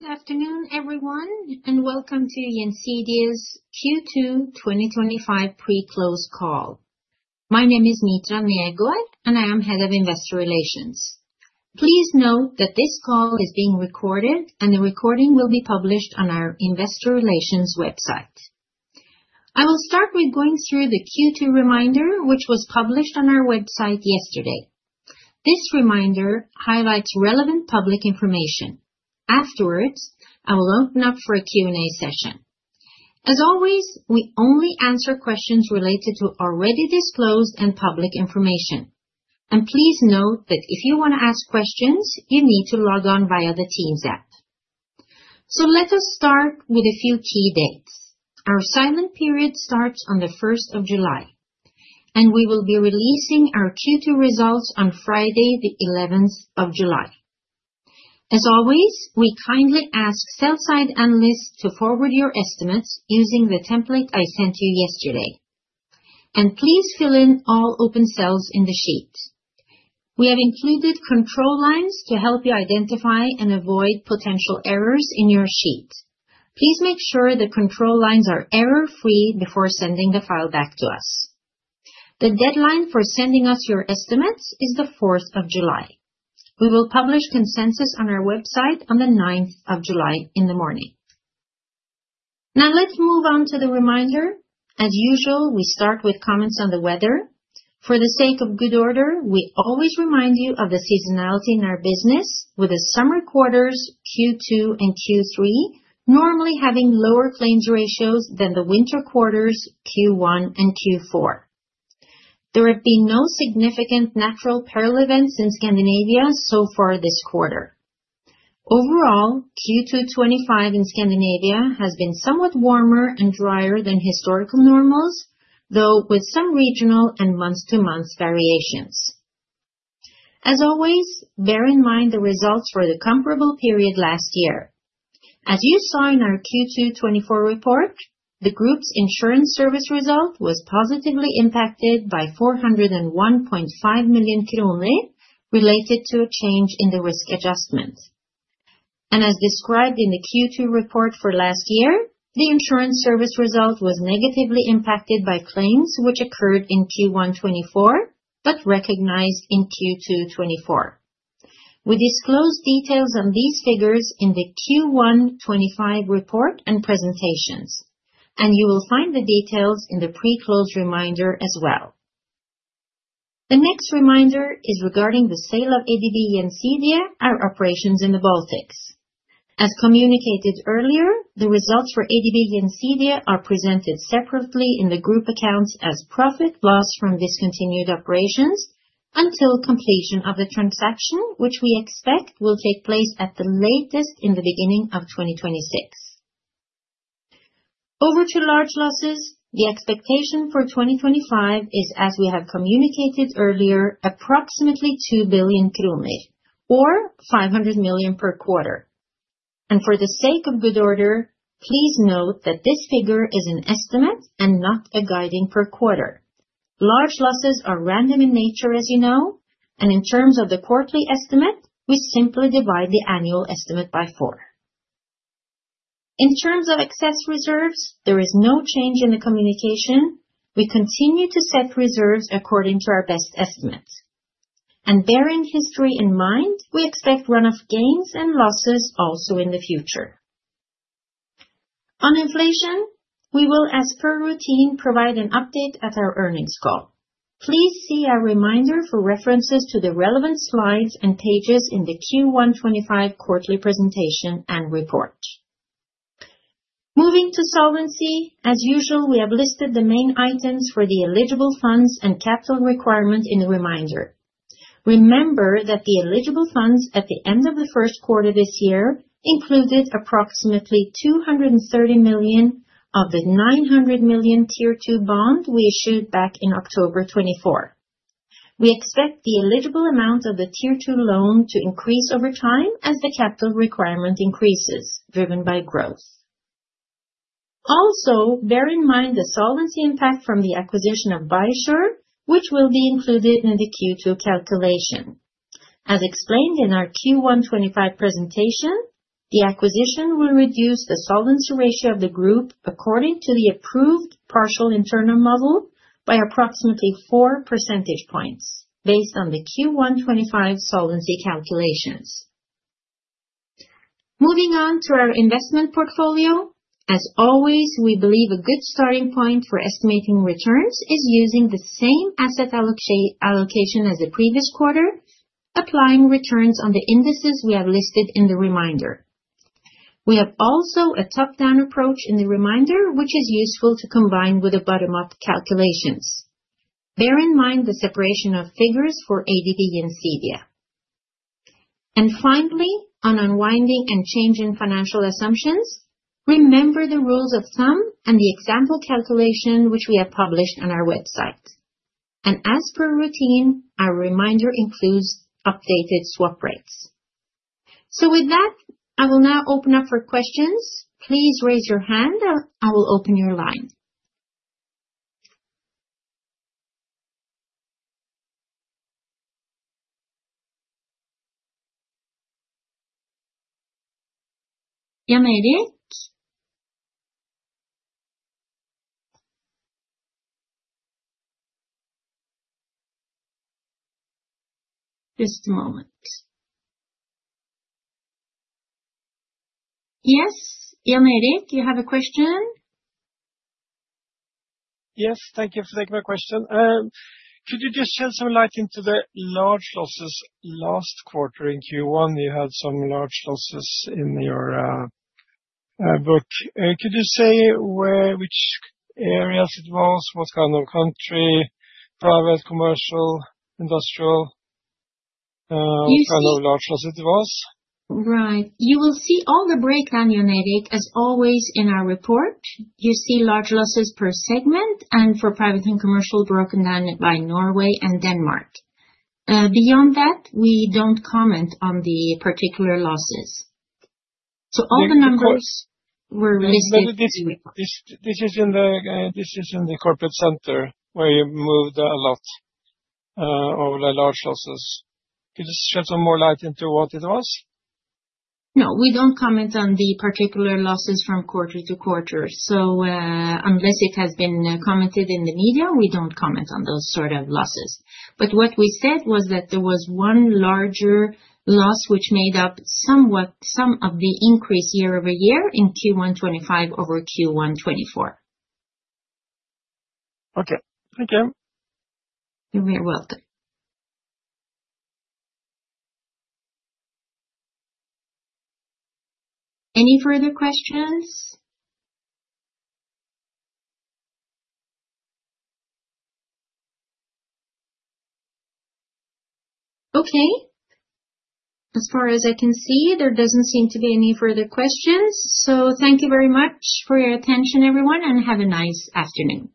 Good afternoon, everyone, and welcome to Gjensidige's Q2 2025 pre-close call. My name is Mitra Negård, and I am Head of Investor Relations. Please note that this call is being recorded, and the recording will be published on our investor relations website. I will start with going through the Q2 reminder, which was published on our website yesterday. This reminder highlights relevant public information. Afterwards, I will open up for a Q&A session. As always, we only answer questions related to already disclosed and public information. Please note that if you want to ask questions, you need to log on via the Teams app. Let us start with a few key dates. Our silent period starts on the 1st of July, and we will be releasing our Q2 results on Friday, the 11th of July. As always, we kindly ask sell-side analysts to forward your estimates using the template I sent you yesterday. Please fill in all open cells in the sheet. We have included control lines to help you identify and avoid potential errors in your sheet. Please make sure the control lines are error-free before sending the file back to us. The deadline for sending us your estimates is the 4th of July. We will publish consensus on our website on the 9th of July in the morning. Now let's move on to the reminder. As usual, we start with comments on the weather. For the sake of good order, we always remind you of the seasonality in our business, with the summer quarters, Q2 and Q3, normally having lower claims ratios than the winter quarters, Q1 and Q4. There have been no significant natural peril events in Scandinavia so far this quarter. Overall, Q2 2025 in Scandinavia has been somewhat warmer and drier than historical normals, though with some regional and month-to-month variations. As always, bear in mind the results for the comparable period last year. As you saw in our Q2 2024 report, the group's insurance service result was positively impacted by 401.5 million related to a change in the risk adjustment. As described in the Q2 report for last year, the insurance service result was negatively impacted by claims which occurred in Q1 2024 but recognized in Q2 2024. We disclose details on these figures in the Q1 2025 report and presentations, and you will find the details in the pre-close reminder as well. The next reminder is regarding the sale of ADB Gjensidige, our operations in the Baltics. As communicated earlier, the results for ADB Gjensidige are presented separately in the group accounts as profit lost from discontinued operations until completion of the transaction, which we expect will take place at the latest in the beginning of 2026. Over to large losses. The expectation for 2025 is, as we have communicated earlier, approximately 2 billion, or 500 million per quarter. For the sake of good order, please note that this figure is an estimate and not a guiding per quarter. Large losses are random in nature, as you know, and in terms of the quarterly estimate, we simply divide the annual estimate by four. In terms of excess reserves, there is no change in the communication. We continue to set reserves according to our best estimates. Bearing history in mind, we expect run-off gains and losses also in the future. On inflation, we will, as per routine, provide an update at our earnings call. Please see our reminder for references to the relevant slides and pages in the Q1 2025 quarterly presentation and report. Moving to solvency, as usual, we have listed the main items for the eligible funds and capital requirement in the reminder. Remember that the eligible funds at the end of the first quarter this year included approximately 230 million of the 900 million tier two bond we issued back in October 2024. We expect the eligible amount of the tier two loan to increase over time as the capital requirement increases, driven by growth. Also, bear in mind the solvency impact from the acquisition of Bysor, which will be included in the Q2 calculation. As explained in our Q1 2025 presentation, the acquisition will reduce the solvency ratio of the group according to the approved partial internal model by approximately four percentage points based on the Q1 2025 solvency calculations. Moving on to our investment portfolio, as always, we believe a good starting point for estimating returns is using the same asset allocation as the previous quarter, applying returns on the indices we have listed in the reminder. We have also a top-down approach in the reminder, which is useful to combine with the bottom-up calculations. Bear in mind the separation of figures for ADB Gjensidige. Finally, on unwinding and changing financial assumptions, remember the rules of thumb and the example calculation which we have published on our website. As per routine, our reminder includes updated swap rates. With that, I will now open up for questions. Please raise your hand, and I will open your line. Jan Erik. Just a moment. Yes, Jan Erik, you have a question? Yes, thank you for taking my question. Could you just shed some light into the large losses last quarter in Q1? You had some large losses in your book. Could you say which areas it was, what kind of country, private, commercial, industrial, what kind of large loss it was? Right. You will see all the breakdown, Jan Erik, as always in our report. You see large losses per segment and for private and commercial broken down by Norway and Denmark. Beyond that, we do not comment on the particular losses. All the numbers were listed this week. This is in the corporate center where you moved a lot of large losses. Could you shed some more light into what it was? No, we don't comment on the particular losses from quarter to quarter. Unless it has been commented in the media, we don't comment on those sort of losses. What we said was that there was one larger loss which made up somewhat some of the increase year over year in Q1 2025 over Q1 2024. Okay. Thank you. You're welcome. Any further questions? Okay. As far as I can see, there doesn't seem to be any further questions. Thank you very much for your attention, everyone, and have a nice afternoon.